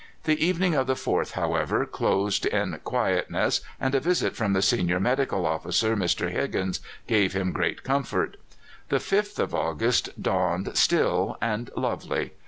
The evening of the 4th, however, closed in quietness, and a visit from the senior medical officer, Mr. Higgins, gave him great comfort. The 5th of August dawned still and lovely.